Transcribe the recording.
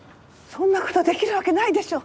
そんな事出来るわけないでしょ！